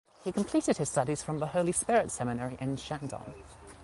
He completed his studies from the Holy Spirit seminary in Shandong.